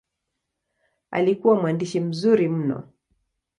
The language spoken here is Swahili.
Alikuwa mwandishi mzuri mno.